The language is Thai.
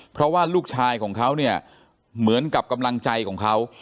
เพราะว่าลูกชายของเขาเนี่ยเหมือนกับกำลังใจของเขา